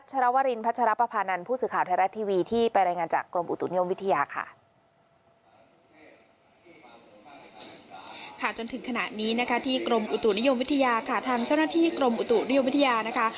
จนถึงขณะนี้นะคะที่กรมอุตุนิยมวิทยาค่ะทางเจ้าหน้าที่กรมอุตุนิยมวิทยานะคะ